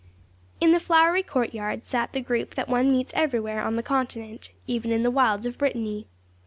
In the flowery courtyard sat the group that one meets everywhere on the Continent, even in the wilds of Brittany.